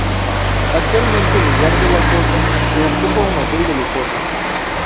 Actualmente el lugar de la cosa lo ocupa un hotel de lujo